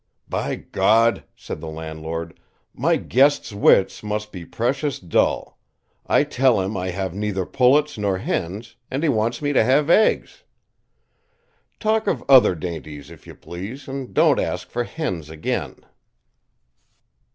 "By God," said the landlord, "my guest's wits must be precious dull; I tell him I have neither pullets nor hens, and he wants me to have eggs! Talk of other dainties, if you please, and don't ask for hens again."